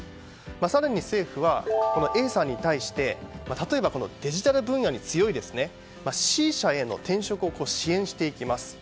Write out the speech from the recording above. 更に、政府はＡさんに対して例えば、デジタル分野に強いＣ社への転職を支援していきます。